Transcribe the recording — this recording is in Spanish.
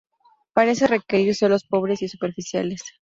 Parece requerir suelos pobres y superficiales.